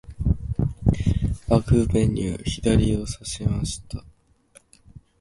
アグベニュー、左をさしました。